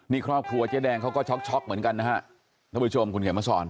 นี่ครอบครัวเจ๊แดงเขาก็ช็อตเหมือนกันนะครับท่ามิวชมคุณเกิดมาสอน